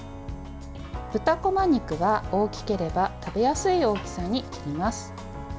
豚こま肉は、大きければ食べやすい大きさに切ります。